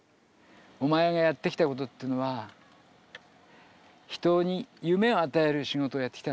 お前がやってきたことっていうのは人に夢を与える仕事をやってきたんだろう。